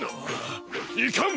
いかん！